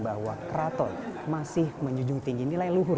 bahwa keraton masih menjunjung tinggi nilai luhur